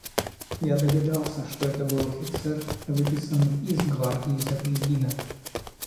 Я догадался, что это был офицер, выписанный из гвардии за поединок.